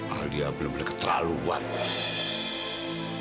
alia benar benar keterlaluan